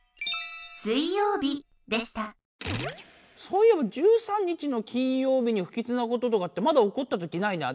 そういえば１３日の金曜日にふきつなこととかってまだおこったときないな。